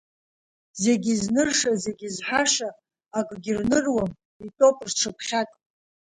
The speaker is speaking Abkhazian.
Зегь знырша, зегь зҳәаша, акгьы рныруам, итәоуп рҽыԥхьак…